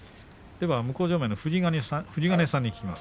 向正面、富士ヶ根さんに聞きます。